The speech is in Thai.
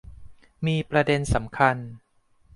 มีประเด็นสำคัญ